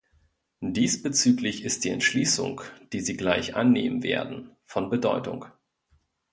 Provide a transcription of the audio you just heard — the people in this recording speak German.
Diesbezüglich ist die Entschließung, die Sie gleich annehmen werden, von Bedeutung.